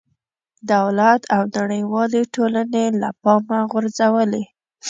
دولت او نړېوالې ټولنې له پامه غورځولې.